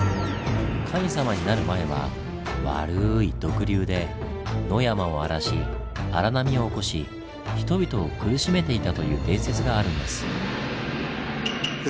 神様になる前はわるい毒竜で野山を荒らし荒波を起こし人々を苦しめていたという伝説があるんです。